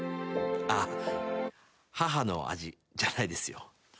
あっ歯歯の味じゃないですよ。